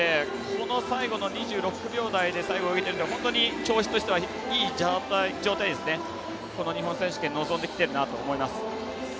この最後の２６秒台で泳げているのは本当に調子としてはいい状態でこの日本選手権に臨んできてるなと思います。